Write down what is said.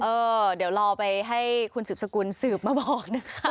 เออเดี๋ยวรอไปให้คุณสืบสกุลสืบมาบอกนะคะ